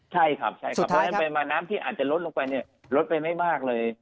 ใช่ครับใช่ครับเพราะฉะนั้นไปมาน้ำที่อาจจะลดลงไปเนี่ยลดไปไม่มากเลย